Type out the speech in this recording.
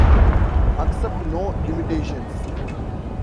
Accept no imitations.